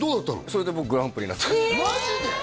それで僕グランプリになったマジで！？